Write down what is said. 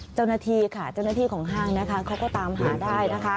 เจ้าหน้าที่ของห้างเขาก็ตามหาได้นะคะ